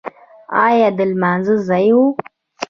ایا د لمانځه ځای و؟